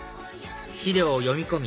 史料を読み込み